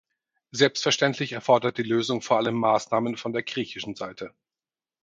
Selbstverständlich erfordert die Lösung vor allem Maßnahmen von der griechischen Seite.